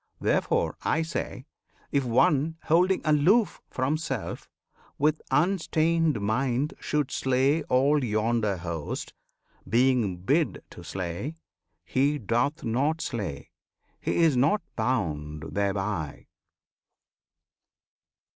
Therefore, I say, if one Holding aloof from self with unstained mind Should slay all yonder host, being bid to slay, He doth not slay; he is not bound thereby!